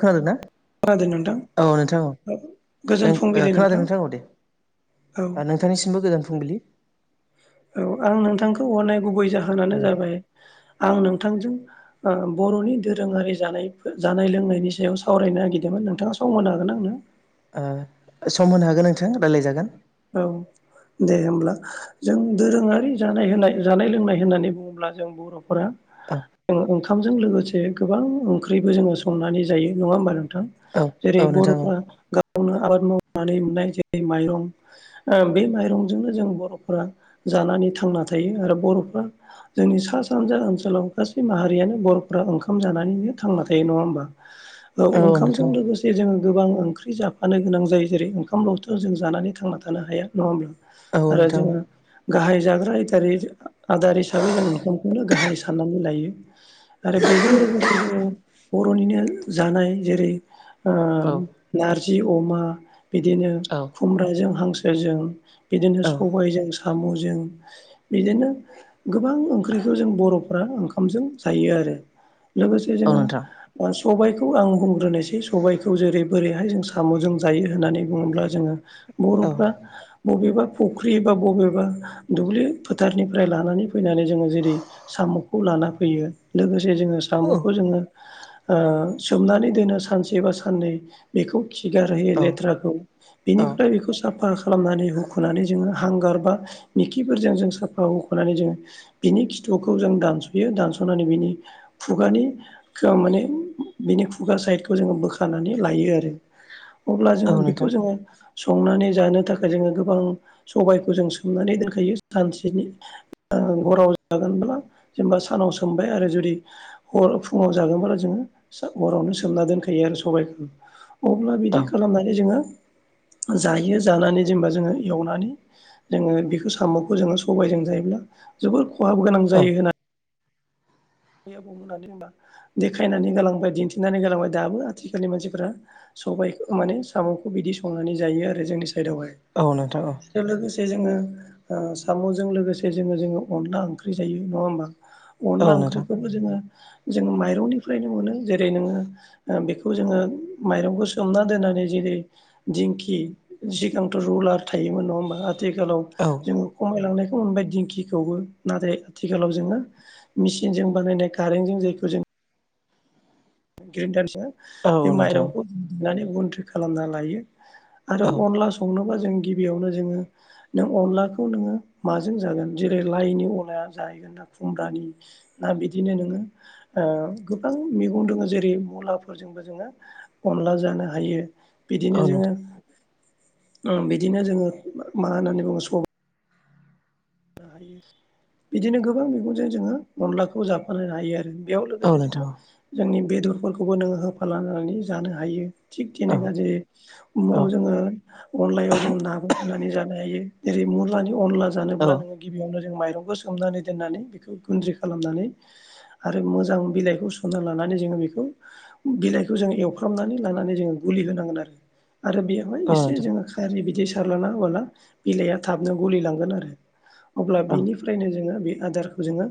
खोनादोंना खोनादों नोंथां औ नोंथां औ गोजोन नों फुंबिलि खोनादों नोंथां दे औ नोंथांनिसिमबो गोजान फुंबिलि औ आं नोंथांखौ हरनाय गुबै जाहोनानो ओ जाबाय आं नोंथांजों बर'नि दोरोङारि जानाय जानाय लोंनायनि सायाव सावरायनो नागिरदोंमोन नोंथाङा सम मशज्ञनागोन गोनांनो आंनो सम होनो हागोन नोंथां रायज्लायजागोन। औ दे होमब्ला जों दोरोङारि जानाय होनाय जानाय लोंनाय होननानै बुङोब्ला जों बर'फोरा औ ज ओंखामजों लोगोसे गोबां ओंख्रिबो जोङो संनानै जायो नङा होमबानो नों औ जेरै औ नोंथां औ बर'फ्रा गावनो आबाद मावनानै मोननाय जेरै माइरं ओ बे माइरंजोंनो जों बर'फोरा जानानै थांना थायो आरो बर'फ्रा जोंनि सा सानजा ओनसोलाव गासै माहारियानो बर'फ्रा ओंखाम जानानैनो थांना थायो नङा होमबा? औ ओंखामजों लोगोसे जोंङो गोबां ओंख्रि जाफानो गोनां जायो जेरै ओंखामलावथ' जों जानानै थांना थानो हाया नङाब्ला औ नोंथां गाहाय जाग्रा आदारि आदार हिसाबै जों न'खरखौनो गाहाय साननानै लायो। आरो बेजों लोगोसे जोङो बर'निनो जानाय जेरै ओ औ नारजि अमा बिदिनो औ खुमब्राजों हांसोजों बिदिनो औ सबायजों साम'जों बिदिनो गोबां ओंख्रिखौ जों बर'फ्रा ओंखामजों जायो आरो लोगोसे औ जोङो नोंथां ओ सबायखौ आं बुंग्रोनोसै सबायखौ जेरै बोरैहाय जों साम'जों जायो होननानै बुङोब्ला जोङो औ बर'फ्रा बबेबा फुख्रि बा बबेबा दुब्लि फोथारनिफ्राय लानानै फैनानै जोङो जेरै साम'खौ ला लाना फैयो लोगोसे जे जोङो औ साम'खौ जोङो सोमनानै दोनो सानसे बा साननै बेखौ खिगार होयो औ लेथ्राखौ बेनि खौ साफा खालामनानै होुख'नानै जोङो हांगार बा मखिफोरजों जों साफा होख'नानै जोङो बिनि खिथुखौ जों दानस'यो दानस'नानै बिनि खुगानि माने बेनि खुगा साइदखौ जोङो बोखानानै लायो आरो अब्ला औ जोङो बेखौ नोंथां जोङो। संनानै जानो थाखाय जोङो गोबां सबायखौ जों सोमनानै दोनखायो सानसेनि हराव जागोनब्ला जेनेबा सानाव सोमबाय आरो जुदि हर फुङाव जागोनब्ला जोङो सो हरावनो सोमना दोनखायो आरो सबायखौ अब्ला औ बिदि खालामनानै जोङो जायो जानानै जेनेबा जोङो एवनानै जोङो बेखौ साम'खौ जोङो सबायजों जायोब्ला जोबोर खहाबो गोनां जायो होननानै आबै आबौ होननानै होनबा देखायनानै गालांबाय दिन्थिनानै गालांबाय दाबो आथिखालनि मानसिफोरा सबायखौ माने साम'खौ बिदि संनानै जायो आरो जोंनि साइदावहाय औ नोंथां आरो लोगोसे जसे जोङो ओ साम'जों लोगोसे जोङो जोङो अनला ओंख्रि जायो नङा होमबा? अनला आंख्रि जों माइरंनिफ्रायनो मोनो जेरै नोङो बेखौ जोङो माइरंखौ सोमना दोननानै जेरै दिंखि सिगांथ' रुलार थायोमोन नङा होमबा आथिखालाव औ नोंथां औ जोङो खमायलांनाय मोनबाय दिंखिखौबो नाथाय आथिखालाव जोङो मिसिनजों बानायनाय कारेन्ट जों जायखौ जों ग्रिडारजो औ नोंथां औ बे नोंथां माइरंखौ हुनानै गन्थ्रि खालामना लायो। आरो अनला संनोबा जों गिबियावनो जोङो नों अनलाखौ नोङो माजों जागोन जेरै लाइनि अमायानो जाहैगोन दा खुमब्रानि ना बिदिनो नोङो गोबां मैगं दोङो जेरै मुलाफोरजोंबो जोङो अनला जानो हायो बिदिनो जोङो उम बिदिनो जोङो मा होननानै बुङो सबाय जानो बिदिनो गोबां मैगंजों जोङो अनलाखौ जाफा लायनो हायो आरो। बेयाव औ लोगोसे नोंथां जोङो जोंनि बेदरफोरखौबो नोङो होफानानै जानो हायो। थिग औ थेनेखा जे जोङो अनलायाव जों नाखौ होनानै जानो हायो। जेरै मुलानि अनला जानोब्ला नोङो गिबियावनो जों माइरंखौ सोमनानै दोननानै बेखौ गुन्द्रि खालामनानै आरो मोजां बिलाइखौ सं लानानै जोङो बेखौ बिलाइखौ जोङो एवफ्रामनानै लानानै जोङो गुलि होनांगोन आरो आरो बेयावहाय औ एसे नोंथां जोङो खारि बिदि स सारलाना अला बिलाइआ थाबनो गलिलांगोन आरो अब्ला औ बेनिफ्रायनो जोङो बे आदारखौ जोङो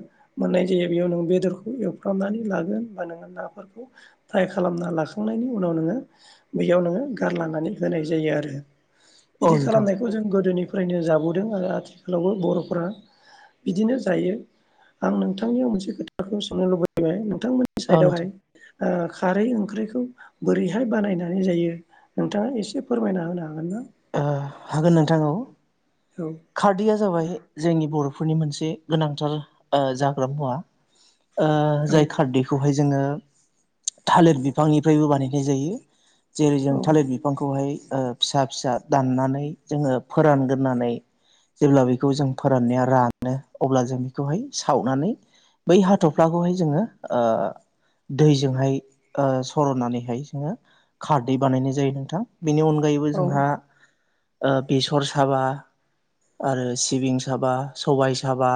मोननाय जायो बेयाव ननोङो बेदरखौ एवफ्रामनानै लागोन होनबा नोङो नाफोरखौ फ्राय खालामना लाखांनायनि उनाव नोङो बैयाव नोङो गारलनानै होनाय जायो आरो। औ बिदि नोंथां खालामनायखौ जों गोदोनिफ्रायनो जाबोदों आरो आथिखालावबो बर' बिदिनो जायो आं नोंथांनियाव मोनसे खोथाखौ सोंनो लुबैबाय बिथांमोननि औ साइदआवहाय नोंथां खारै ओंख्रिखौ बोरैहाय बानायनानै जायो। नोंथाङा एसे फोरमायना होनो हागोन ना? हागोन नोंथां औ औ खारदैया जाबाय जोंनि बर'फोरनि मोनसे गोनांथार ओ जाग्रा मुवा ओ औ जाय खारदैखौहाय जोङो थालिर बिफांनिफ्रायबो बानायनाय जायो। जेरै जों औ थालिर बिफांखौहाय ओ फिसा फिसा दाननानै जोङो फोरानग्रोननानै जेब्ला बेखौ जों फोराननाया रानो अब्ला जों बेखौहाय सावनानै बै हाथ'फ्लाखौहाय जोङो ओ दैजोंहाय सर'नानैहाय जोङो खारदै बानायनाय जायो नोंथां। बेनि अनगायैबो जोंहा बेसर साबा आरो सिबिं साबा सबाय साबा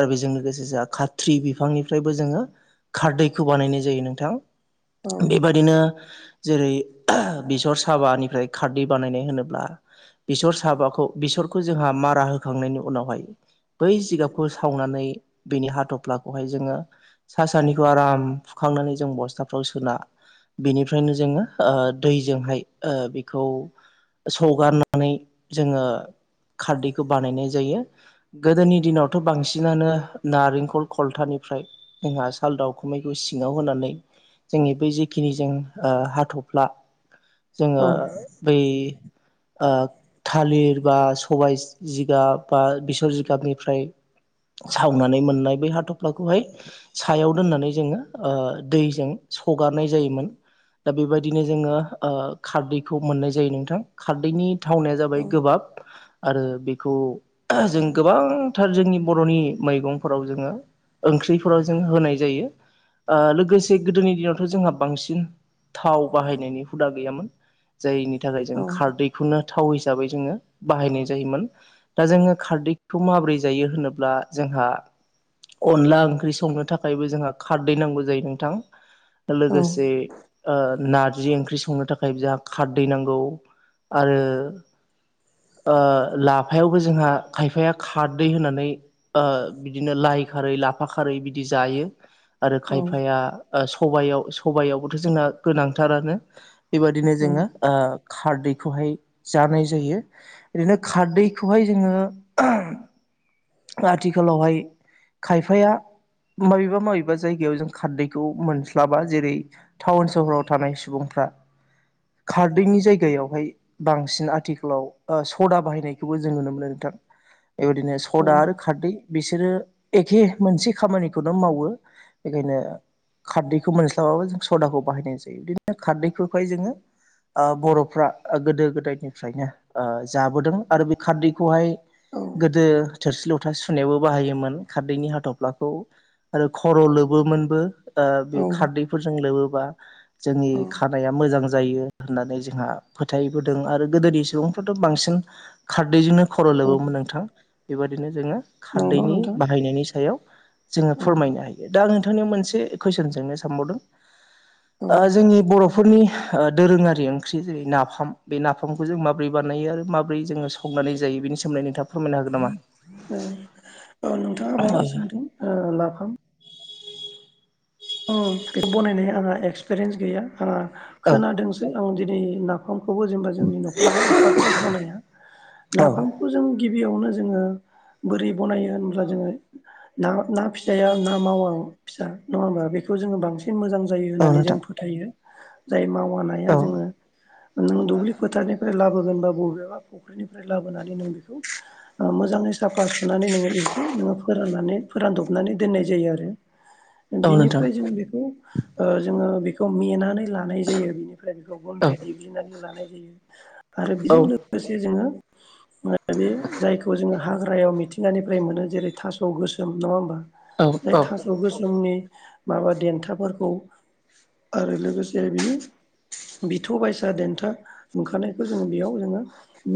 आरो बेजों लोगोसे जोंहा खाथ्रि बिफांनिफ्राय जोङो खारदैखौ बानायनाय जायो नोंथां। बेबायादिनो जेरै बेसर साबानिफ्राय खारदै बानायनाय होनोब्ला बिसर साबाखौ बेसरखौ जोंहा मारा होखांनायनि उनावहाय बै जिगाबखौ सावनानै बेनि हाथफ्लाखौहाय जोङो सा सानिखौ आराम खांनानै जों बस्थाफ्राव सोना बिनिफ्रायनो जोङो दैजोंहाय ओ बेखौ सौगारनानै जोङो खारदैखौ बानायनाय जायो गोदोनि दिनावथ' बांसिनानो नारेंखल खलथानि फ्राय जोंहा साल दाउखुमैखौ सिङाव होनानै जोंनि बै जिेखिनि जों हाथ'फ्ला औ जोङो बै आ थालिर बा सबाय जिगाब बा बेसर जिगाबनिफ्राय सावनानै मोननाय ब हाथ'फ्लाखौहाय सायाव दोननानै जोङो ओ‌ दैजों सगारनाय जायोमोन दा बेबायदिनो जोङो खारदैखौ मोननाय जायो नोंथां। खारदैनि थावनाया औ जाबाय गोबाब आरो बेखौ जों गोबांथार जोंनि बर'नि मैगंफोराव जोङो ओंख्रिफोराव जों होनाय जायो लोगोसे गोदोनि दिनावथ' जोंहा बांसिन थाव बाहायनायनि हुदा गैयामोन जायनि थाखाय जों औ खारदैखौनो थाव हिसाबै जोङो बाहायनाय जायोमोन दा जोङो खारदैखौ माब्रै जायो होनोब्ला जों जोंहा अनला ओंख्रि संनो थाखायबो जोंहा खारदै नांगौ जायो नोंथां। औ लोगोसे नारजि ओंख्रि संनो थाखाय जहा खारदै नांगौ। आरो लाफायावबो जोंहा खायफाया खारदै होनानै ओ बिदिनो लाइ खारै लाफा खारै बिदि जायो। आरो औ खायफाया सब सबायावबोथ' जोंना गोनांथारानो। बेबायदिनो जोङो औ ओ खारदैखौहाय जानाय जायो ओरैनो खारदैखौहाय जोङो आथिखालावहाय खायफाया माबेबा माबेबा जायगायाव जों खारदैखौ मोनस्लाबा जेरै टाउन सहराव थानाय सुबुं खारदैनि जायगा दैायावहाय बांसिन आथिखालाव सदा बाहायनायखौबो जों नुनो मोनो नोंथां बेबायदिनो सदा आरो खारदै बिसोरो एखे मोनसे खामानिखौनो मावो बेखायनो खारदैखौ मोनस्लाबाबो जों सदाखौ बाहायनाय जायो बिदिनो खारदैखौहाय जोङो ओ बर' फ्रा गोदो गोदायनिफ्रायनो जाबोदों आरो बे खारदैखौहाय औ गोदो थोरसि लथा सुनायावबो बाहायोमोन खारदैनि हाथफ्लाखौ आरो खर' लोबोमोनबो ओ बे औ खारदैफोरजों लोबोबा जोंनि खानाया मोजां जायो होननानै जोंहा फोथायबोदों आरो गोदोनि सुबुंफ्राथ' बांसिन खारदैजोंनो खर' औ लोबोमोन नोंथां। बेबादिनो जोङो नंगौ खारदैनि नोंथां बाहायनायनि सायाव जोङो औ फोरमायनो हायो दा आं मोनसे कुइसन जोंनो सानबावदों औ जोंनि बर' फोरनि दोरोङारि ओंख्रि जेरै ना नाफाम बे नाफामखौ जों माबोरै बानायो आरो माबोरै जोङो संनानै जायो बेनि सोमोनदै नोंथाङा फोरमायनो हागोन नामा? औ औ ओ नोंथाङा औ बावनो सोंदों नाफाम औ‌ बेखौ बनायनाय आंहा एक्सपिरियेन्स गैया आंहा खोनादोंसो आं ओं दिनै नाखौ जा जोंनि नाव एफाग्राब बनाया नाफामखौ जों गिबियावनो जोङो बोरै बनायो होनब्ला जोङो ना ना फिसाया ना मावा फिसा नङा होमबा बेखौ जोङो बांसिन मोजां जायो औ होननानै नोंथां जों फोथायो जाय औ मावनाया जोङो नों दुब्लि फोथारनिफ्राय लाबोगोन बा बबेबा फुख्रिनिफ्राय लाबोनानै नों बेखौ मोजाङै साफा सुनानै नोङो एसे नोङो फोराननानै फोरानदबनानै दोननाय जायो आरो औ नोंथां बिनिफ्राय जों बेखौ जोङो बेखौ नेेनानै लानाय जायो बिनिफ्राय फ्राय बेखौ औ बन्थ्रि देग्लिनानै लानाय जायो आरो औ बेजों लोगोसे जोङो बे जायखौ जोङो हाग्रायाव मिथिंगानिफ्राय मोनो जेरै थास' गोसोम नङा होमबा? औ जाय औ थास' गोसोमनि माबा देन्थाफोरखौ आरो लोगोसे बिनि बिथौ बायसा देन्था ओंखारनायखौ जोङो बेयाव जोङो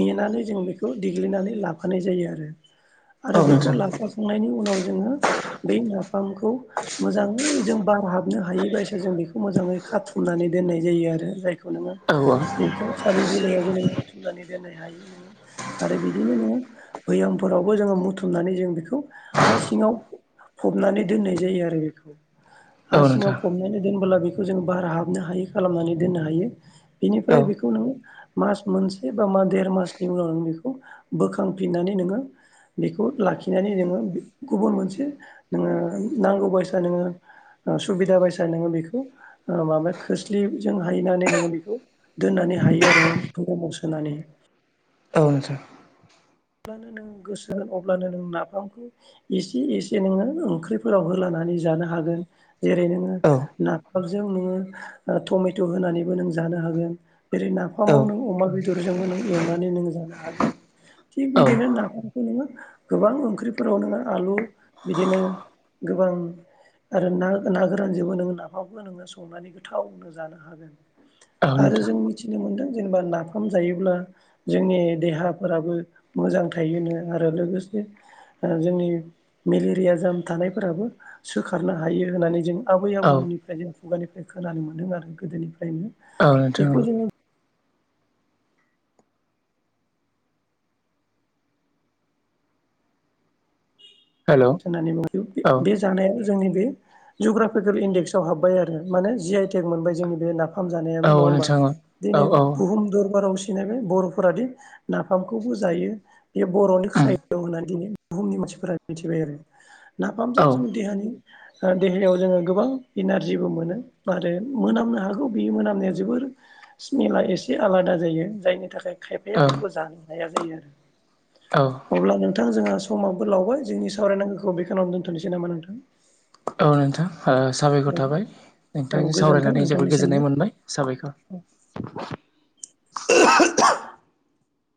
नेनानै जों बेखौ देग्लि नानै लाफानाय जायो आरो औ आरो बेखौ नोंथां लाफाखांनायनि उनाव जोङो बे नाफामखौ मोजां मै जों बार हाबनो हायिबायस जों बेखौ मोजाङै खाथुमनानै दोननाय जायो आरो जायखौ नोङो औ औ बेखौ थालिर बेलायावबो बुथुमनानै दोननो हायो नोङो आरो बिदिनो नोङो बैयाव फोरावबो जोङो बुथुमनानै जों बेखौ हा सिङाव फबनानै दोननाय जायो आरो बेखौ [unintelligible] हा औ सिङाव नोंथां फबनानै दोनबोला बेखौ जों बार हाबनो हायो खालामनानै दोननो हायो औ बेनिफ्राय बेखौ नों मास मोनसे बा म देर मासनि उनाव बेखौ बोखांफिननानै नोङो बेखौ लाखिनानै नोङो गुबुन मोनसे नोङो नांगौ बायसा नोङो सुबिदा बायसा नोङो बेखौ माबा खोस्लिजों हायनानै नोङो बेखौ दोननानै हायो आरो भैयामाव सोनानै औ नोंथां जेब्लानो नों गोसो होन अब्लानो नों नाफामखौ एसे एसे नोङो ओंख्रिफोराव होलानो नो होनानैबो जानो हागोन जैरै नोङो औ नाफामजों नोङो ओ टमेट' होन्नानैबो नों जा जानो हागोन जेरै औ नाफामाव नों अमा बेदरजोंबो नों एवनानै नों जानो हागोन। थिग औ बिदिनो नाफामफोरखौ नोङो गोबां ओंख्रिफोराव नोङो आलु बिदिनो गोबां आरो ना ना गोरानजोंबो नोङो नाफामखौ नोङो संनानै गोथावनो जानो हागोन। औ आरो नोंथां जों मिथिनो मोनदों जेनेबा नाफाम जायोब्ला जोंनि देहाफोराबो मोजां थायोनो आरो लोगोसे ओ जोंनि मेलेरिया जाम थानायफोराबो सोखारनो हायो होननानै जों आबै औ आबौमोननिफ्राय जों खुगानिफ्राय खोनानो मोनदों आरो गोदोनिफ्रायनो ओ नोंथां बेखौ औ जोङो हेल' होननानै बे बे औ बे जानायाबो जोंनि बे जुग्राफिकेल इन्डेक्सआव हाबबाय आरो माने जि आइ टेक मोनबाय जोंनि बे ना नाफाम औ जानायाबो नङा होनबा नोंथां औ दिनै औ बुहुम दरबाव बिदिनो बे बर'फोरादि नाफामखौबो जायो बे बर'नि उम खायद' होननानै दिनै बुहुमनि मानसिफोरा मिथिबाय आरो औ नाफामजों जोंनि देहानि देहायाव जोङो गोबां इनारजिबो मोनो आरो मोनामनो हागौ बे मोनामनाया जोबोर स्मेला एसे आलादा जायो जायनि थाखाय खायफाया बेखौ जानो हाया जायो औ आरो अब्ला नोंथां जोंहा समावबो लावबाय जोंनि सावरायनांगौखौ बेखिनावनो दोनथ'नोसै नामा नोंथां औ नोंथां साबायखर थाबाय औ नोंथांजों गोजोन्थों सावरायनानै जोबोर गोजोननाय नोंथांनिसिमबो। मोनबाय साबायखर [inaudible]